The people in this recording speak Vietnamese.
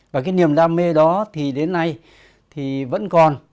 và cái niềm đam mê đó thì đến nay thì vẫn còn